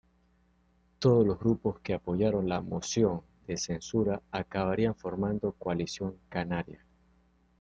Todos los grupos que apoyaron la moción de censura acabarían formando Coalición Canaria.